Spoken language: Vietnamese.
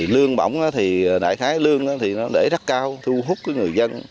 lương bổng đại khái lương để rất cao thu hút người dân